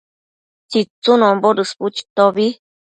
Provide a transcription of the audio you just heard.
tsitsunombo dësbu chitobi